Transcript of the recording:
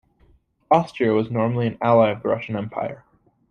Austria was normally an ally of the Russian Empire.